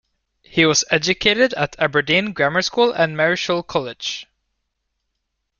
He was educated at Aberdeen Grammar School and Marischal College.